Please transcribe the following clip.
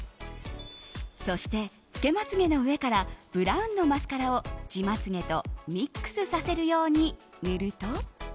そして、つけまつ毛の上からブラウンのマスカラを自まつ毛とミックスさせるように塗ると。